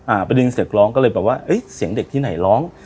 อ่าไปได้ยินเสียงเด็กร้องก็เลยแบบว่าเอ๊ะเสียงเด็กที่ไหนร้อง